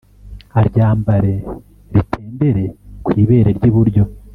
aryambare ritendere kwibere ryiburyo